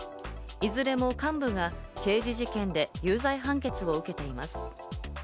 いずれも幹部が刑事事件で有罪判決を受けています。